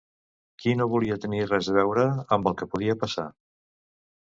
Qui no volia tenir res a veure amb el que podia passar?